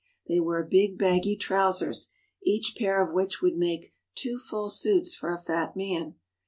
They wear big, baggy trous ers, each pair of which would make two full suits for a fat man.